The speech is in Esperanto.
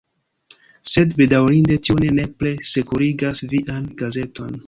Sed, bedaŭrinde, tio ne nepre sekurigas vian gazeton.